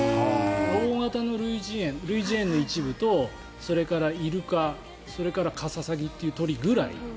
大型の類人猿の一部とそれからイルカ、それからカササギっていう鳥くらい。